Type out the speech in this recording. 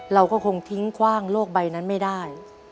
เราก็คงทิ้งคว่างโลกใบนั้นไม่ได้